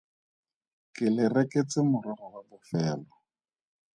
Ke le reketse morogo wa bofelo.